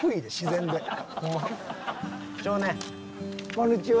こんにちは。